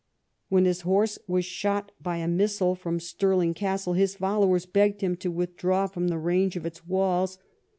When his horse was shot by a missile from Stirling Castle, his followers begged him to withdraw from the range of its walls.